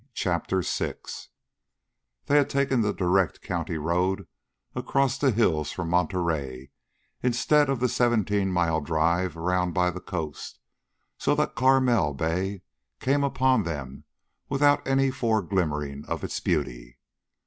CHAPTER VI They had taken the direct county road across the hills from Monterey, instead of the Seventeen Mile Drive around by the coast, so that Carmel Bay came upon them without any fore glimmerings of its beauty.